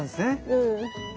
うん。